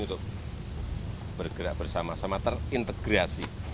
untuk bergerak bersama sama terintegrasi